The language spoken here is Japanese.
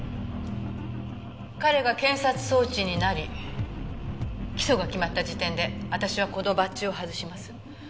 彼が検察送致になり起訴が決まった時点で私はこのバッジを外します。